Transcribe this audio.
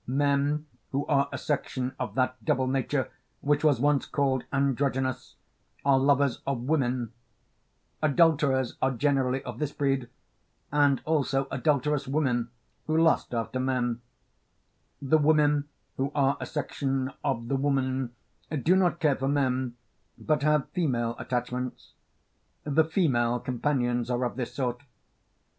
Men who are a section of that double nature which was once called Androgynous are lovers of women; adulterers are generally of this breed, and also adulterous women who lust after men: the women who are a section of the woman do not care for men, but have female attachments; the female companions are of this sort.